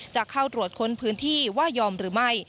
จะเข้าตรวจค้นพื้นที่ว่ายอมหรือไม่